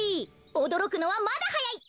おどろくのはまだはやい。